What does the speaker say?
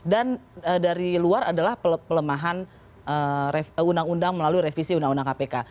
dan dari luar adalah pelemahan undang undang melalui revisi undang undang kpk